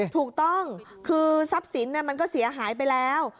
ถูกต้องคือทรัพย์สินมันก็เสียหายไปแล้ว